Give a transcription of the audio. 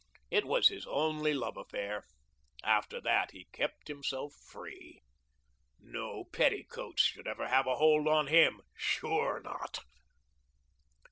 It was his only love affair. After that, he kept himself free. No petticoats should ever have a hold on him. Sure not.